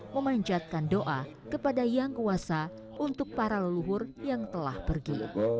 memanjatkan doa kepada yang kuasa untuk para leluhur yang telah pergi